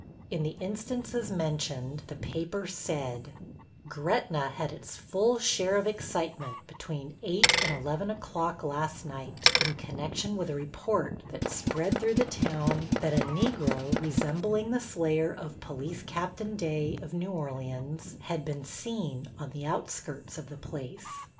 In the instances mentioned, the paper said: Gretna had its full share of excitement between 8 and 11 o'clock last night, in connection with a report that spread through the town that a Negro resembling the slayer of Police Captain Day, of New Orleans, had been seen on the outskirts of the place.